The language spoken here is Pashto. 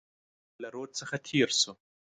د سیند له رود څخه تېر شو.